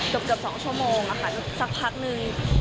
เกือบ๒ชั่วโมงค่ะสักพักนึง